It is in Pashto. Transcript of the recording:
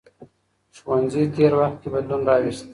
ښوونځي تېر وخت کې بدلون راوست.